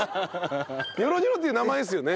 ニョロニョロって名前ですね。